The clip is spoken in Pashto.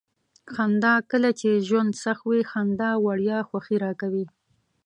خندا: کله چې ژوند سخت وي. خندا وړیا خوښي راکوي.